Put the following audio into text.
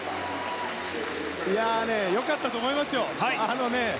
良かったと思いますよ。